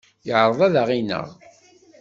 Yeɛreḍ ad aɣ-ineɣ.